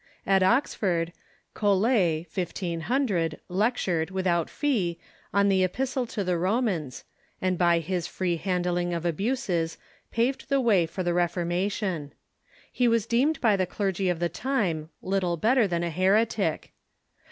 At Oxford, Colet (1500) lectured, without fee, on the Epistle to the Romans, and by his free handling of abuses paved the way f jr the Refor mation, He was deemed by the clergy of the time little bet ter than a heretic.